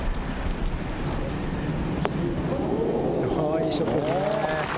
いいショットですね。